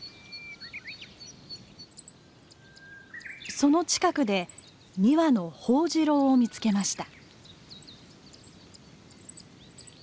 その近くで２羽のホオジロを見つけました。